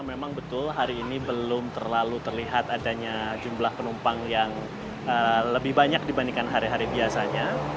memang betul hari ini belum terlalu terlihat adanya jumlah penumpang yang lebih banyak dibandingkan hari hari biasanya